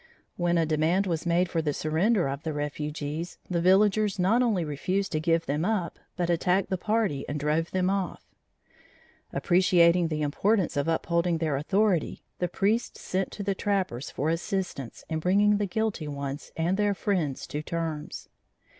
When a demand was made for the surrender of the refugees, the villagers not only refused to give them up, but attacked the party and drove them off. Appreciating the importance of upholding their authority, the priests sent to the trappers for assistance in bringing the guilty ones and their friends to terms.